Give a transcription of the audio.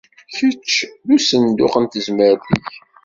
Kečč d usenduq n tezmert-ik!